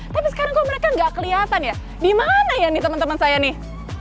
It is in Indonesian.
sekarang kok mereka enggak kelihatan ya dimana ya nih teman teman saya nih